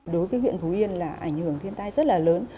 đối với huyện phú yên là ảnh hưởng thiên tai rất là lớn